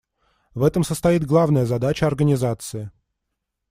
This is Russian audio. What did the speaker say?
В этом состоит главная задача Организации.